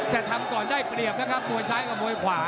แต่ทำก่อนได้เปรียบนะครับมวยซ้ายกับมวยขวา